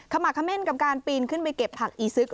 หมักเขม่นกับการปีนขึ้นไปเก็บผักอีซึก